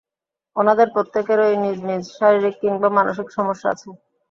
ওনাদের প্রত্যেকেরই নিজ নিজ শারীরিক কিংবা মানসিক সমস্যা আছে।